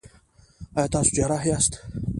ایا تاسو جراح یاست؟